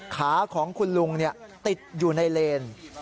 ขาของคุณลุงติดอยู่ในเลน